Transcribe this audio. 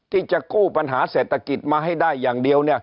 ที่จะกู้ปัญหาเศรษฐกิจมาให้ได้อย่างเดียว